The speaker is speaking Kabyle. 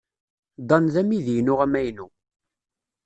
Dan d amidi-inu amaynu.